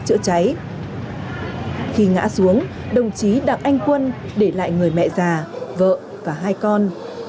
chữa cháy khi ngã xuống đồng chí đặng anh quân để lại người mẹ già vợ và hai con